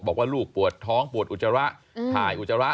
บอกว่าลูกปวดท้องปวดอุจจาระถ่ายอุจจาระ